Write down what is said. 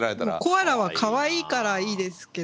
コアラはかわいいからいいですけど。